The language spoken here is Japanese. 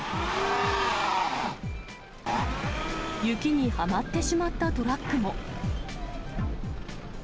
雪にはまってしまったトラックも。